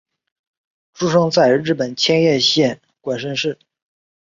出生在日本千叶县馆山市。